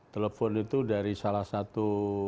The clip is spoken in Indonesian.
telepon itu dari salah satu